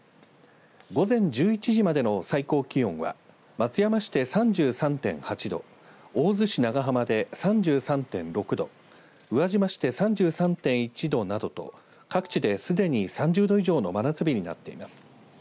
午前１１時までの最高気温は松山市で３３．８度大洲市長浜で３３．６度宇和島市で３３．１度などと各地で、すでに３０度以上の真夏日になっています。